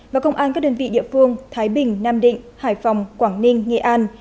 và công an các đơn vị địa phương thái bình nam định hải phòng quảng ninh nghệ an